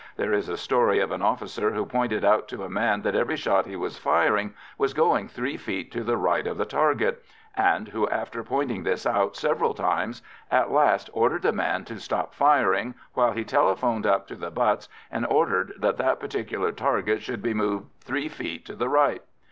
There is a story of an officer who pointed out to a man that every shot he was firing was going three feet to the right of the target, and who, after having pointed this out several times, at last ordered the man to stop firing while he telephoned up to the butts and ordered that that particular target should be moved three feet to the right.